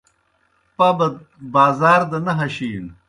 پَبَت بازار دہ نہ ہشِینوْ۔